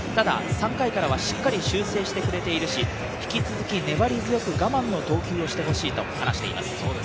３回からはしっかり修正してくれているし、引き続き粘り強く我慢の投球をしてほしいと話しています。